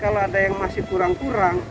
kalau ada yang masih kurang kurang